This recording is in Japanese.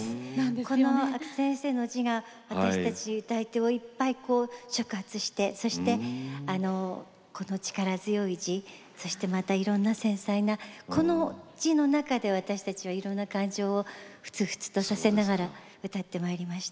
この阿久先生の字が私たちを触発してこの力強い字またいろんな繊細なこの字の中で私たちはいろんな感情をふつふつとさせながら歌ってまいりました。